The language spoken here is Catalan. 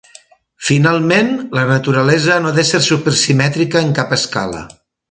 Finalment, la naturalesa no ha de ser supersimètrica en cap escala.